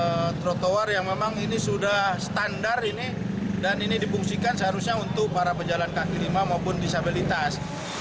ini adalah trotoar yang memang ini sudah standar ini dan ini dipungsikan seharusnya untuk para pejalan kaki lima maupun disabilitas